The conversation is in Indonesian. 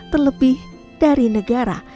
terlebih dari negara